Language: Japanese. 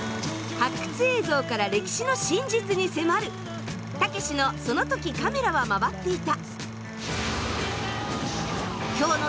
発掘映像から歴史の真実に迫る「たけしのその時カメラは回っていた」。